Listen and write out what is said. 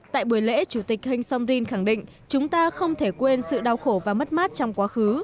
tại buổi lễ chủ tịch heng somrin khẳng định chúng ta không thể quên sự đau khổ và mất mát trong quá khứ